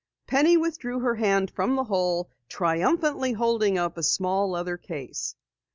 Penny withdrew her hand from the hole, triumphantly holding up a small leather case.